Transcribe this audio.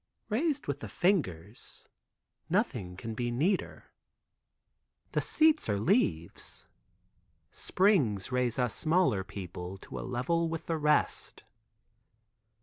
Raised with the fingers, nothing can be neater. The seats are leaves. Springs raise us smaller people to a level with the rest.